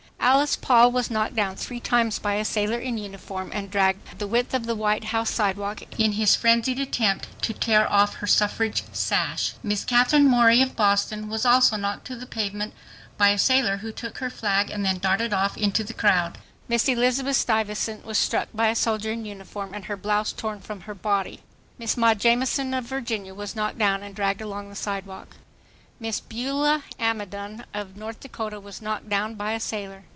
Alice Paul was knocked down three times by a sailor in uniform and dragged the width of the White House sidewalk in his frenzied attempt to tear off leer suffrage sash. Miss Katharine Morey of Boston was also knocked to the pavement by a sailor, who took her flag and then darted off into the crowd. Miss Elizabeth Stuyvesant was struck by a soldier in uniform and her blouse torn from her body. Miss Maud Jamison of Virginia was knocked down and dragged along the sidewalk. Miss Beulah Amidon of North Dakota was knocked down by a sailor.